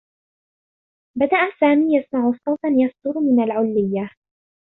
بدأ سامي يسمع صوتا يصدر من العلّيّة.